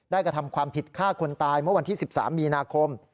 กระทำความผิดฆ่าคนตายเมื่อวันที่๑๓มีนาคม